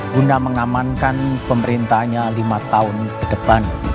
guna mengamankan pemerintahnya lima tahun ke depan